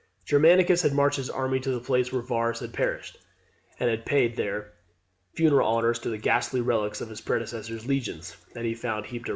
Germanicus had marched his army to the place where Varus had perished, and had there paid funeral honours to the ghastly relics of his predecessor's legions that he found heaped around him.